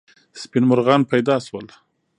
سپین مرغان پیدا سول.